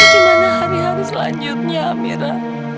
gimana hari hari selanjutnya mira